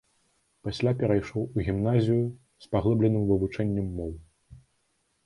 Пасля перайшоў у гімназію з паглыбленым вывучэннем моў.